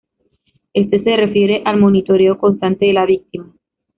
Este se refiere al monitoreo constante de la víctima.